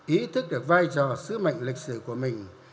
ý thức được vai trò sứ mệnh lịch sử của mình